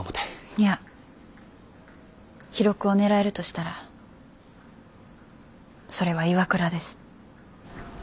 いや記録を狙えるとしたらそれは岩倉です。